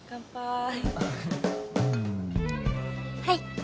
はい。